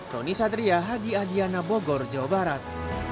roni satria hadi adiana bogor jawa barat